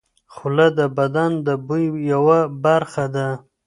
خوله د بدن د بوی یوه برخه ده.